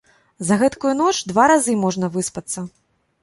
За гэткую ноч два разы можна выспацца!